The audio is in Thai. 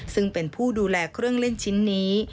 ซึ่งเป็นผู้ดูแลเครื่องเล่นชิ้นนี้